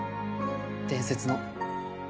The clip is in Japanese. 伝説の。